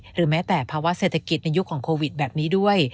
หรือแม้แต่ภาวะเศรษฐกิจในยุคของโควิดแบบนี้ด้วย